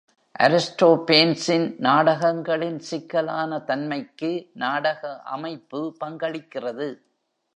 அரிஸ்டோபேன்ஸின் நாடகங்களின் சிக்கலான தன்மைக்கு நாடக அமைப்பு பங்களிக்கிறது.